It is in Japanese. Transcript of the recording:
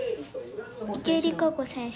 池江璃花子選手